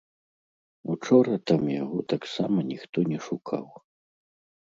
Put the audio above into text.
Учора там яго таксама ніхто не шукаў.